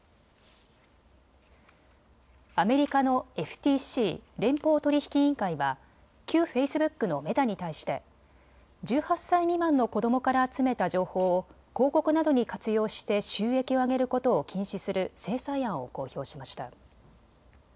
アメリカのＦＴＣ・連邦取引委員会は旧フェイスブックのメタに対して１８歳未満の子どもから集めた情報を広告などに活用して収益を上げることを禁止する制裁案を公表しました。